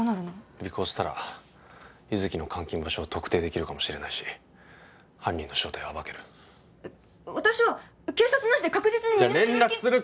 尾行したら優月の監禁場所を特定できるかもしれないし犯人の正体を暴ける私は警察なしで確実に身代金じゃあ連絡するか？